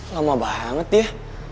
lama banget dia